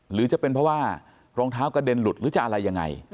หรือจะเป็นเพราะว่ารองเท้ากระเด็นหลุดหรือจะอะไรยังไง